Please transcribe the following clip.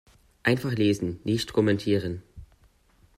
Einfach lesen, nicht kommentieren.